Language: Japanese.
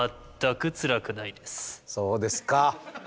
そうですか。